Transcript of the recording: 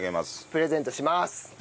プレゼントします。